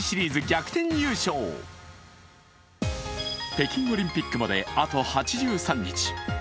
北京オリンピックまであと８３日。